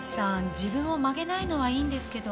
自分を曲げないのはいいんですけど。